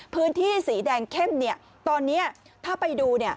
พื้นที่สีแดงเข้มตอนนี้ถ้าไปดู